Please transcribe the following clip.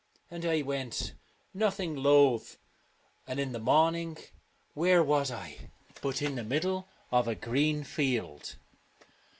And I went, nothing loath ; and in the morning where was I but in the middle of a green field